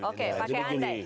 oke pakai andai